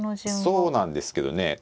そうなんですけどね